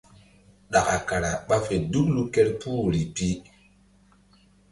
Ɗaka kara ɓa fe duklu kerpuh woyri pi.